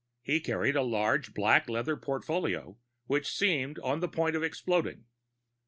He carried a large, black leather portfolio which seemed on the point of exploding.